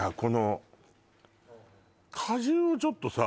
果汁をちょっとさ